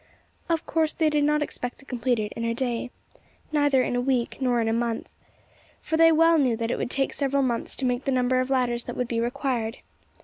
Of course, they did not expect to complete it in a day, neither in a week, nor in a month: for they well knew that it would take several months to make the number of ladders that would be required.